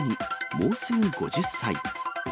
もうすぐ５０歳。